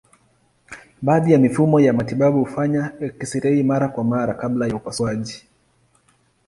Baadhi ya mifumo ya matibabu hufanya eksirei mara kwa mara kabla ya upasuaji.